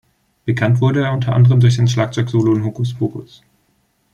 Bekannt wurde er unter anderem durch sein Schlagzeugsolo in "Hocus Pocus".